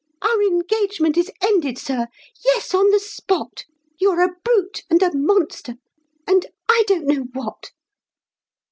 Our engagement is ended, sir yes, on the spot; You're a brute, and a monster, and I don't know what."